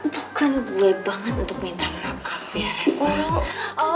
bukan gue banget untuk minta maaf ya